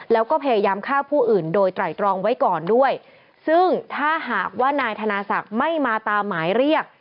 แล้วก็พยายามฆ่าผู้อื่นโดยไตรตรองไว้ก่อนด้วยซึ่งถ้าหากว่านายธนาศักดิ์ไม่มาตามหมายเรียก